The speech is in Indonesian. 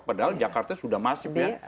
padahal jakarta sudah masif ya